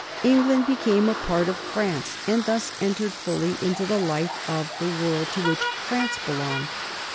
England became a part of France and thus entered fully into the life of the world to which France belonged.